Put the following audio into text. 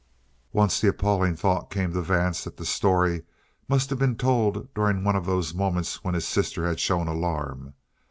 Once the appalling thought came to Vance that the story must have been told during one of those moments when his sister had shown alarm.